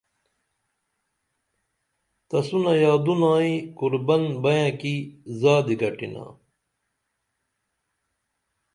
تسونہ یادونائیں قربن بئنہ کی زادی گٹینا